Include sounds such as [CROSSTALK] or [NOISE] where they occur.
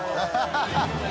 ハハハ [LAUGHS]